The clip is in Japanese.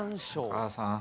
お母さん。